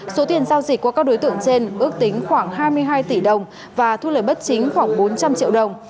số tiền giao dịch của các đối tượng trên ước tính khoảng hai mươi hai tỷ đồng và thu lời bất chính khoảng bốn trăm linh triệu đồng